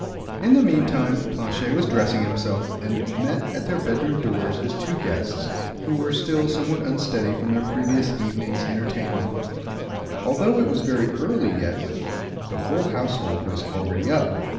In the meantime Planchet was dressing himself, and met at their bedroom doors his two guests, who were still somewhat unsteady from their previous evening's entertainment. Although it was yet very early, the whole household was already up.